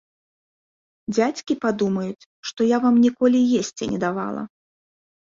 Дзядзькі падумаюць, што я вам ніколі есці не давала!